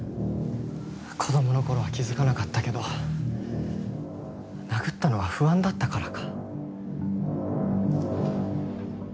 子供の頃は気づかなかったけど殴ったのは不安だったからか。